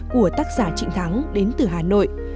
của tác giả trịnh thắng đến từ hà nội